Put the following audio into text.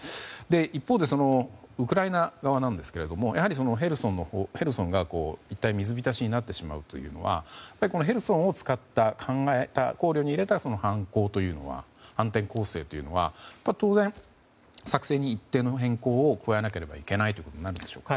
一方でウクライナ側なんですがやはり、ヘルソン一帯が水浸しになってしまうというのはヘルソンを使った、考えた考慮に入れた行動は反転攻勢というのは当然、作戦に一定の変更を加えなければいけないということになるんでしょうか。